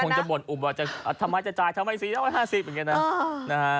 มันคงจะบ่นอุบว่าทำไมจะจ่ายทำไมสี๑๕๐อย่างเงี้ยนะ